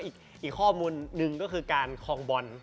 อีกข้อมูลหนึ่งก็คือการคลองบอล